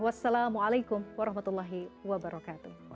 wassalamualaikum warahmatullahi wabarakatuh